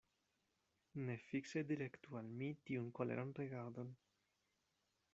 Ne fikse direktu al mi tiun koleran rigardon.